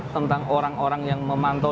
tentang orang orang yang memantau